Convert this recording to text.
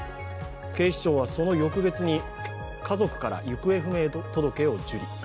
警視庁はその翌月に家族から行方不明届を受理。